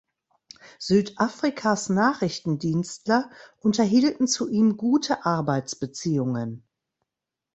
Südafrikas Nachrichtendienstler unterhielten zu ihm gute Arbeitsbeziehungen.